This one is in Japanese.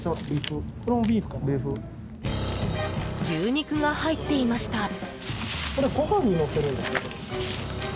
牛肉が入っていました。